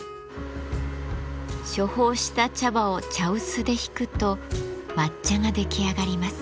処方した茶葉を茶臼でひくと抹茶が出来上がります。